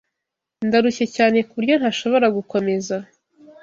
Ndarushye cyane kuburyo ntashobora gukomeza.